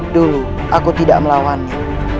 dulu aku tidak melawannya